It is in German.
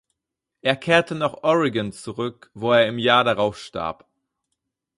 Er kehrte nach Oregon zurück, wo er im Jahr darauf starb.